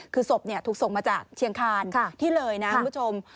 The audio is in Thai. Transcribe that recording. คือศพถูกส่งมาจากเชียงคานที่เลยนะคุณผู้ชม